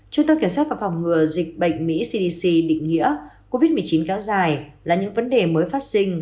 trung tâm kiểm soát và phòng ngừa dịch bệnh mỹ cdc định nghĩa covid một mươi chín kéo dài là những vấn đề mới phát sinh